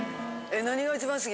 何が一番好き？